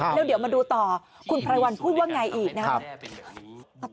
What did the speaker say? แล้วเดี๋ยวมาดูต่อคุณไพรวัลพูดว่าไงอีกนะครับ